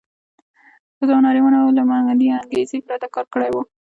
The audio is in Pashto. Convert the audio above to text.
ښځو او نارینه وو له مالي انګېزې پرته کار کړی وای.